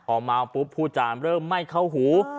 พอเมาปุ๊บผู้จามเริ่มไม่เข้าหู